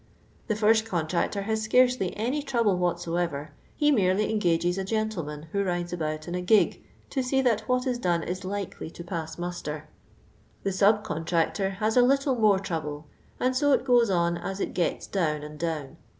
The first contractor has scarcely any trouble whatsoever ; he merely engages a gentle man, who rides about in a gig, to see that what is done is likely to pass muster. The sub contractor has a little more trouble ; and so it goes on as it gets down and down.